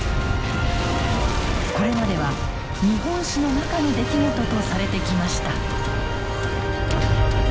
これまでは日本史の中の出来事とされてきました。